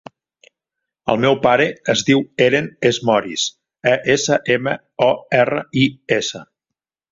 El meu pare es diu Eren Esmoris: e, essa, ema, o, erra, i, essa.